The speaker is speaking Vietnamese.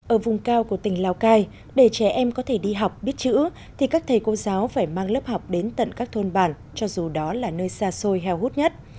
ở vùng cao của tỉnh lào cai để trẻ em có thể đi học biết chữ thì các thầy cô giáo phải mang lớp học đến tận các thôn bản cho dù đó là nơi xa xôi heo hút nhất